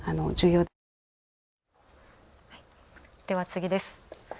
では、次です。